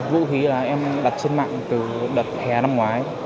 vũ khí là em đặt trên mạng từ đợt hè năm ngoái